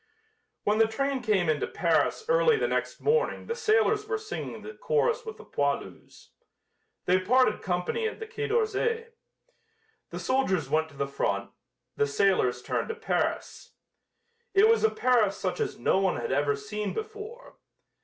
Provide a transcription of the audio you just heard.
When the train came into Paris early the next morning the sailors were singing the chorus with the poilus. They parted company at the quai d'Orsay. The soldiers went to the front; the sailors turned to Paris. It was a Paris such as no one had ever seen before.